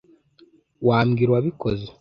Wambwira uwabikoze?